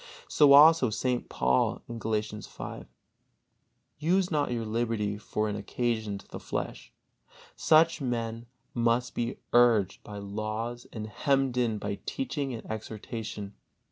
So also St. Paul, Galatians v: "Use not your liberty for an occasion to the flesh." Such men must be urged by laws and hemmed in by teaching and exhortation.